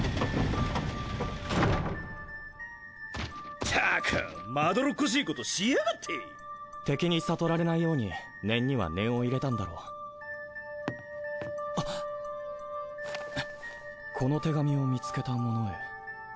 ったくまどろっこしいことしやがって敵に悟られないように念には念を入れたん「この手紙を見つけた者へ」